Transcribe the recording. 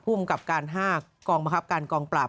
ภูมิกับการ๕กองบังคับการกองปราบ